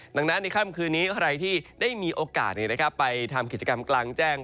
ดังนั้นในค่ำคืนนี้ใครที่ได้มีโอกาสไปทำกิจกรรมกลางแจ้ง